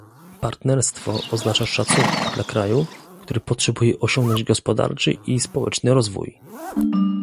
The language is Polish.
Partnerstwo oznacza szacunek dla kraju, który potrzebuje osiągnąć gospodarczy i społeczny rozwój